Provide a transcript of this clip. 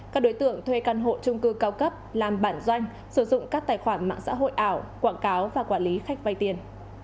các đối tượng thuê căn hộ trung cư cao cấp làm bản doanh sử dụng các tài khoản mạng xã hội ảo quảng cáo và quản lý khách vay tiền